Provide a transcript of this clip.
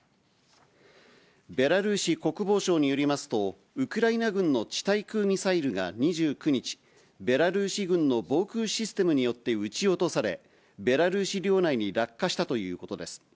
ベラルーシ国防省によりますと、ウクライナ軍の地対空ミサイルが２９日、ベラルーシ軍の防空システムによって撃ち落され、ベラルーシ領内に落下したということです。